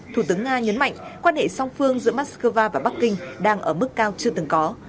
thủ tướng nga nhấn mạnh quan hệ song phương giữa moscow và bắc kinh đang ở mức cao chưa từng có